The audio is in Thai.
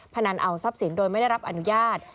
พนันเอาทรัพย์สินโดยไม่ได้รับอนุญาต